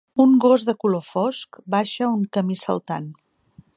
Un gos de color fosc baixa un camí saltant